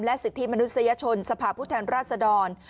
และสิทธิมนุษยชนสภาพพุทธรรมราชดร